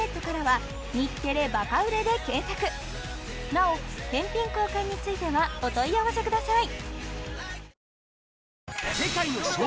なお返品・交換についてはお問い合わせください